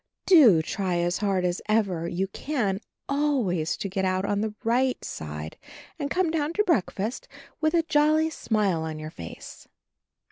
Do try as hard as ever you can always to get out on the right side and come down to breakfast with a jolly smile on your face."